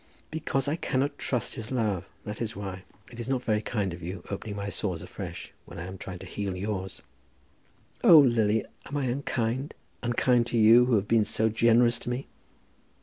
"Because I cannot trust his love; that is why. It is not very kind of you, opening my sores afresh, when I am trying to heal yours." "Oh, Lily, am I unkind, unkind to you, who have been so generous to me?"